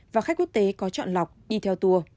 và khách quốc tế có chọn lọc đi theo tour